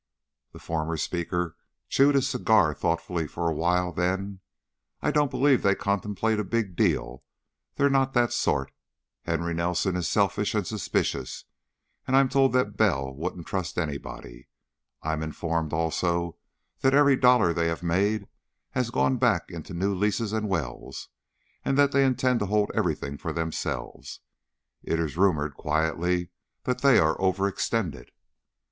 The former speaker chewed his cigar thoughtfully for a while, then: "I don't believe they contemplate a big deal. They're not that sort. Henry Nelson is selfish and suspicious, and I'm told that Bell wouldn't trust anybody. I'm informed also that every dollar they have made has gone back into new leases and wells and that they intend to hold everything for themselves. It is rumored, quietly, that they are overextended."